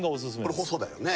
これ細だよね